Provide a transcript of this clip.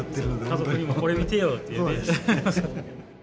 家族にも「これ見てよ」っていうね。